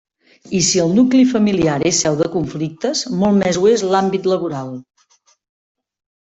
I si el nucli familiar és seu de conflictes, molt més ho és l'àmbit laboral.